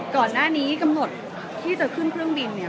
ก่อนหน้านี้กำหนดที่จะขึ้นเครื่องบินเนี่ย